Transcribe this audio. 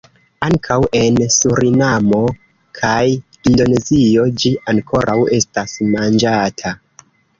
Ankaŭ en Surinamo kaj Indonezio ĝi ankoraŭ estas manĝata.